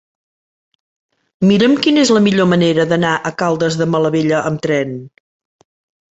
Mira'm quina és la millor manera d'anar a Caldes de Malavella amb tren.